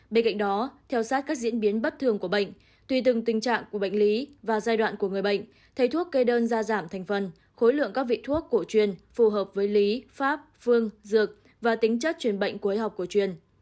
bên cạnh đó theo sát các diễn biến bất thường của bệnh tùy từng tình trạng của bệnh lý và giai đoạn của người bệnh thay thuốc kê đơn ra giảm thành phần khối lượng các vị thuốc của chuyên phù hợp với lý pháp phương dược và tính chất chuyên bệnh cuối học của chuyên